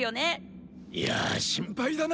いや心配だな